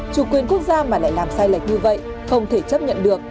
chủ quyền quốc gia mà lại làm sai lệch như vậy không thể chấp nhận được